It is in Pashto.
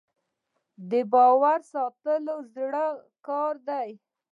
د باور ساتل د زړه کار دی.